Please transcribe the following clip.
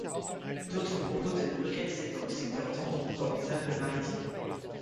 D'autres proposent de les localiser dans le secteur d'Andon, dans les Alpes-Maritimes.